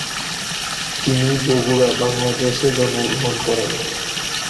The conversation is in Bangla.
তিনি বগুড়া, বাংলাদেশে জন্মগ্রহণ করেন।